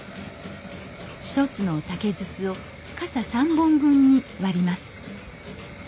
一つの竹筒を傘３本分に割ります